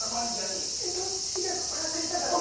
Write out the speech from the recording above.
どっちが告白したかとか。